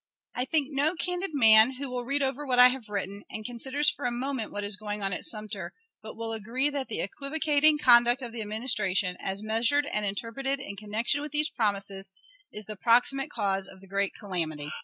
I think no candid man, who will read over what I have written, and considers for a moment what is going on at Sumter, but will agree that the equivocating conduct of the Administration, as measured and interpreted in connection with these promises, is the proximate cause of the great calamity.